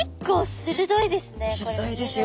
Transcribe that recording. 鋭いですよ。